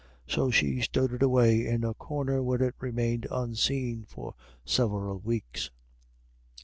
So she stowed it away in a corner, where it remained unseen for several weeks.